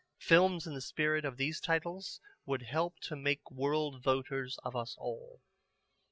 Films in the spirit of these titles would help to make world voters of us all.